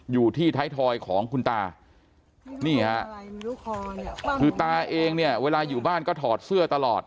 อยู่ที่ท้ายทอยของคุณตานี่ฮะคือตาเองเนี่ยเวลาอยู่บ้านก็ถอดเสื้อตลอด